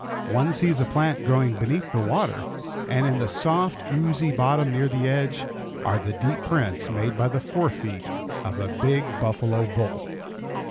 One sees a plant growing beneath the water, and in the soft, oozy bottom, near the edge, are the deep prints made by the fore feet of a big buffalo bull.